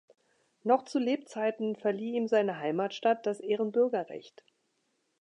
Noch zu Lebzeiten verlieh ihm seine Heimatstadt das Ehrenbürgerrecht.